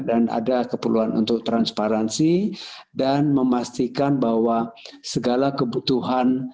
dan ada keperluan untuk transparansi dan memastikan bahwa segala kebutuhan